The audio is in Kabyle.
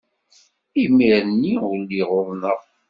Imir-nni ur lliɣ uḍneɣ.